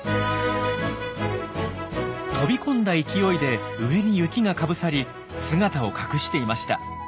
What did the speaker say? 飛び込んだ勢いで上に雪がかぶさり姿を隠していました。